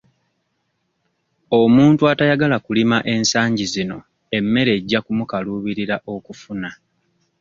Omuntu atayagala kulima ensangi zino emmere ejja mmukaluubirira okufuna.